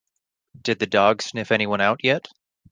Did the dog sniff anyone out yet?